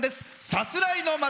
「さすらいの街」。